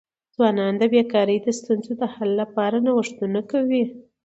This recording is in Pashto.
ځوانان د بېکاری د ستونزو د حل لپاره نوښتونه کوي.